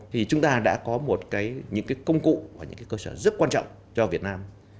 thì chúng ta đã có những công cụ và cơ sở rất quan trọng cho việt nam